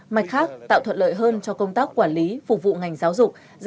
mặt khác tạo thuận lợi hơn cho công tác quản lý phục vụ ngành giáo dục